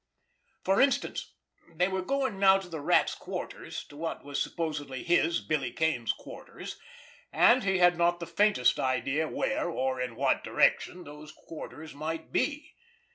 For instance, they were going now to the Rat's quarters, to what was supposedly his, Billy Kane's, quarters—and he had not the faintest idea where, or in what direction, those quarters might be!